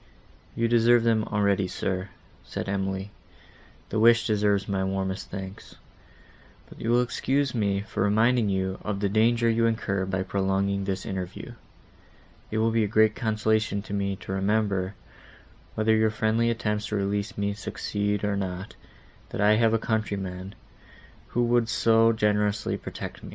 "You deserve them already, sir," said Emily; "the wish deserves my warmest thanks. But you will excuse me for reminding you of the danger you incur by prolonging this interview. It will be a great consolation to me to remember, whether your friendly attempts to release me succeed or not, that I have a countryman, who would so generously protect me."